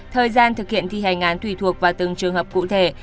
thời gian thực hiện thi hành án tùy thuộc vào từng trường hợp cụ thể